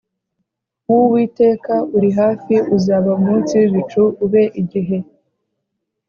w Uwiteka uri hafi uzaba umunsi w ibicu ube igihe